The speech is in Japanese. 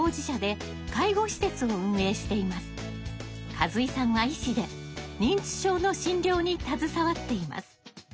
數井さんは医師で認知症の診療に携わっています。